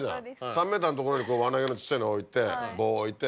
３ｍの所に輪投げのちっちゃいのを置いて棒置いて。